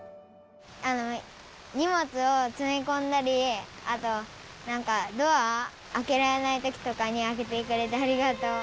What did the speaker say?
あのにもつをつみこんだりあとなんかドアあけられないときとかにあけてくれてありがとう。